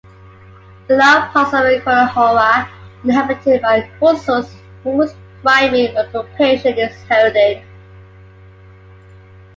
The lower parts of Chornohora are inhabited by Hutsuls, whose primary occupation is herding.